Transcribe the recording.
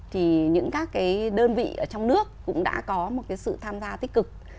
thì những các cái đơn vị ở trong nước cũng đã có một cái sự tham gia tích cực